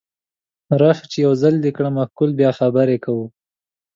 راشه چې یو ځل دې کړم ښکل بیا به خبرې کوو